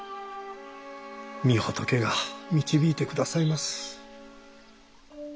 御仏が導いて下さいます。